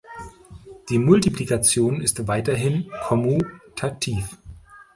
Die Multiplikation ist weiterhin kommutativ.